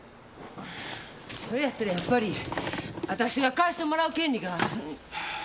それやったらやっぱりあたしが返してもらう権利がある。